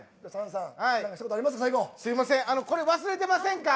これ、忘れてませんか？